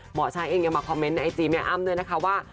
หมอช้างเองยังมาคอมเมนต์ในไอจีแม่อ้ำด้วยนะคะว่า